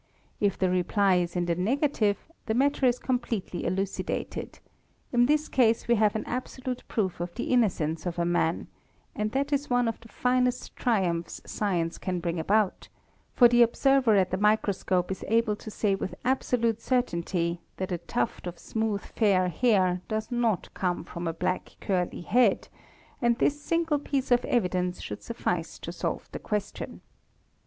If the reply is in the negative, the matter is completely elucidated ; in this ease we have an absolute proof of the innocence of a man, and that is » one of the finest triumphs science can bring about; for the observer } at the microscope is able to say with absolute certainty that a tuft of smooth fair hair does not come from a black curly head, and this single piece of evidence should suffice to solve the question.